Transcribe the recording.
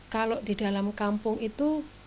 kalau di dalam kampung itu